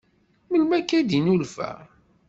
Melmi akka i d-yennulfa?